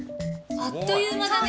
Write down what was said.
あっという間だね。